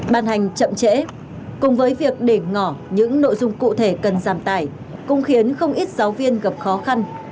ban hành chậm trễ cùng với việc để ngỏ những nội dung cụ thể cần giảm tải cũng khiến không ít giáo viên gặp khó khăn